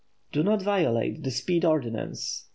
Do not violate the speed ordinance.